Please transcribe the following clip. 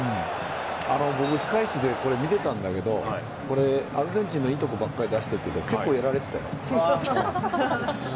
僕、控え室でこれ見てたんだけどアルゼンチンのいいところばかり出してるけど結構やられてたよ。